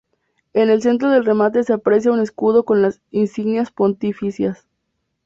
En el centro del remate se aprecia un escudo con las insignias pontificias.